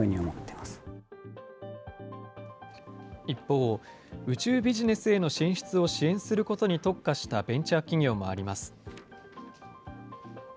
一方、宇宙ビジネスへの進出を支援することに特化したベンチャー企業もあります。